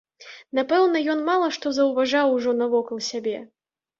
Напэўна, ён мала што заўважаў ужо навокал сябе.